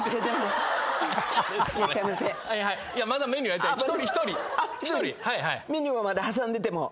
メニューはまだ挟んでても？